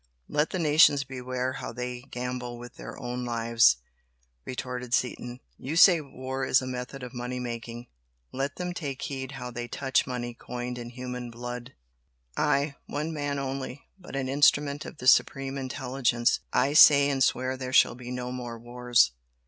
"Let the nations beware how they gamble with their own lives!" retorted Seaton "You say war is a method of money making let them take heed how they touch money coined in human blood! I one man only, but an instrument of the Supreme Intelligence, I say and swear there shall be no more wars!"